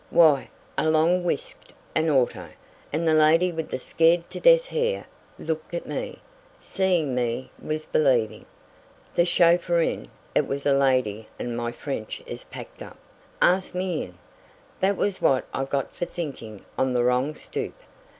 Why, along whisked an auto, and the lady with the scared to death hair looked at me. Seeing me was believing. The chaufferine (it was a lady and my French is packed up) asked me in. That was what I got for thinking on the wrong stoop.